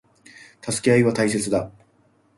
助け合いは大切だ。